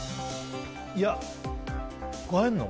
いや変えるの？